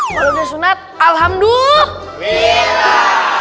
kalau udah sunat alhamdulillah